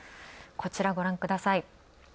こちらご覧ください。